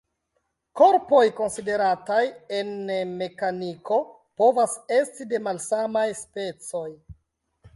Korpoj konsiderataj en mekaniko povas esti de malsamaj specoj.